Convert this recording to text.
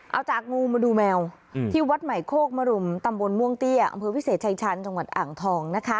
เอาจากงูมาดูแมวที่วัดใหม่โคกมรุมตำบลม่วงเตี้ยอำเภอวิเศษชายชาญจังหวัดอ่างทองนะคะ